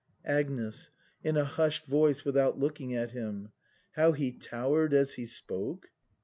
Agnes. [In a hushed voice, without looking at him.] How he tower'd as he spoke